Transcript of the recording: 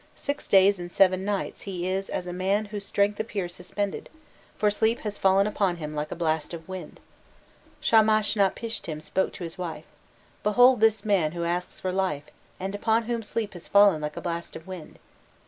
Six days and seven nights he is as a man whose strength appears suspended, for sleep has fallen upon him like a blast of wind. Shamashnapishtim spoke to his wife: 'Behold this man who asks for life, and upon whom sleep has fallen like a blast of wind.